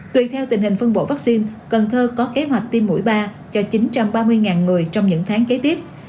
tùy theo tình hình phân bổ vaccine cần thơ có kế hoạch tiêm mũi ba cho chín trăm ba mươi người trong những tháng kế tiếp